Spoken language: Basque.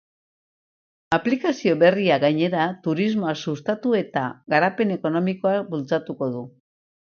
Aplikazio berriak, gainera, turismoa sustatu eta garapen ekonomikoa bultzatuko du.